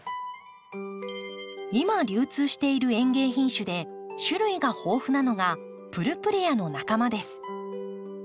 今流通している園芸品種で種類が豊富なのがプルプレアの仲間です。